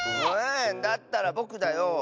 だったらぼくだよ。